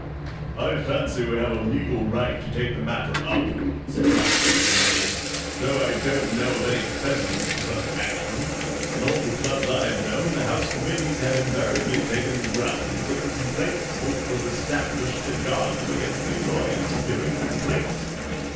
"I fancy we have a legal right to take the matter up," said Blackstone, wearily; "though I don't know of any precedent for such action. In all the clubs I have known the house committees have invariably taken the ground that the complaint book was established to guard them against the annoyance of hearing complaints.